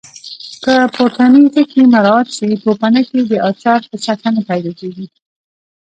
که پورتني ټکي مراعات شي پوپنکې د اچار پر سطحه نه پیدا کېږي.